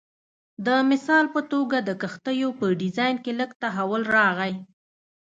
د مثال په توګه د کښتیو په ډیزاین کې لږ تحول راغی